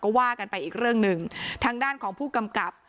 ก็ว่ากันไปอีกเรื่องหนึ่งทางด้านของผู้กำกับ